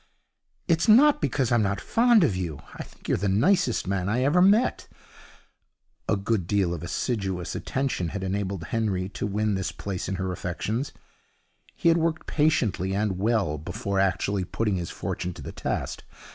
'It's not because I'm not fond of you. I think you're the nicest man I ever met.' A good deal of assiduous attention had enabled Henry to win this place in her affections. He had worked patiently and well before actually putting his fortune to the test.